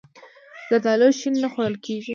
زردالو شین نه خوړل کېږي.